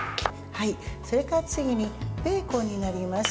それから次にベーコンになります。